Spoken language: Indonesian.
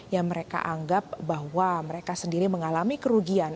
yang mereka anggap bahwa mereka sendiri mengalami kerugian